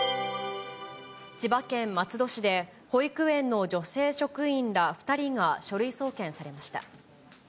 千葉県松戸市で、保育園の女性職員ら２人が書類送検されました。